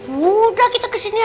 mudah kita kesini aja